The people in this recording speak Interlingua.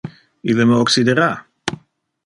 Ille me occidera!